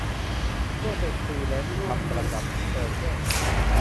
ช่วงเป็นฟรีแลนซ์นี่ทำประจำ เปิดแก้เหงา